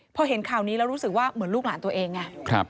พอเห็นข่าวนี้แล้วรู้สึกว่าเหมือนลูกหลานตัวเองไง